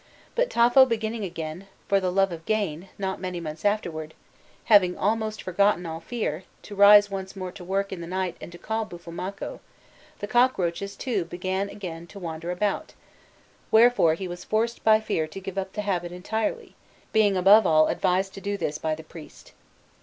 But Tafo beginning again, for the love of gain, not many months afterwards, having almost forgotten all fear, to rise once more to work in the night and to call Buffalmacco, the cockroaches too began again to wander about; wherefore he was forced by fear to give up the habit entirely, being above all advised to do this by the priest.